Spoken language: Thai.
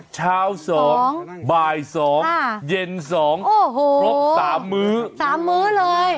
เช้าสองบ่ายสองห้าเย็นสองโอ้โหพรบสามมื้อสามมื้อเลย